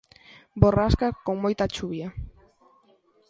Borrasca con moita chuvia.